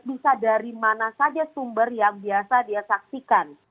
bisa dari mana saja sumber yang biasa dia saksikan